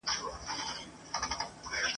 نیت او فکر دواړه هېر د آزادۍ سي ..